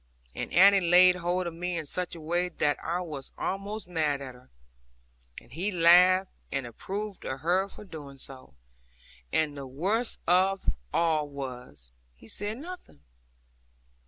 And Annie laid hold of me in such a way that I was almost mad with her. And he laughed, and approved her for doing so. And the worst of all was he said nothing.